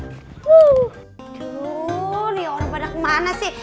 aduh liya orang pada kemana sih